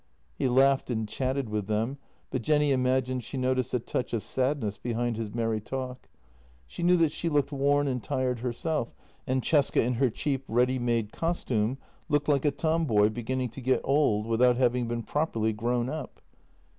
He laughed and chatted with them, but Jenny imagined she noticed a touch of sadness behind his merry talk. She knew that she looked worn and tired herself, and Cesca in her cheap, ready made costume looked like a tomboy beginning to get old without having been properly grown up.